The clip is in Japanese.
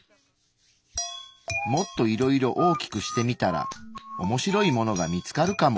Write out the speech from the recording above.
もっといろいろ大きくしてみたら面白いものが見つかるかも。